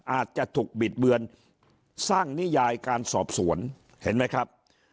อาจจะถูกบิดเบือนสร้างนิยายการสอบสวนเห็นไหมครับ